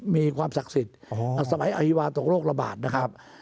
มีความศักดิ์สิทธิ์สมัยอฮิวาตกโรคระบาดนะครับ